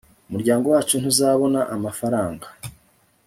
umuryango wacu ntuzabona amafaranga